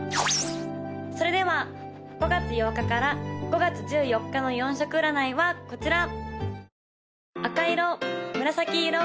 ・それでは５月８日から５月１４日の４色占いはこちら！